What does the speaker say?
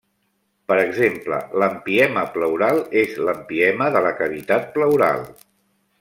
Per exemple, l'empiema pleural és l'empiema de la cavitat pleural.